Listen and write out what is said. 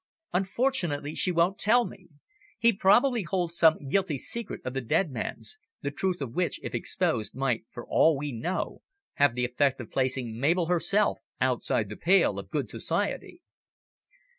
"Unfortunately she won't tell me. He probably holds some guilty secret of the dead man's, the truth of which, if exposed, might, for all we know, have the effect of placing Mabel herself outside the pale of good society."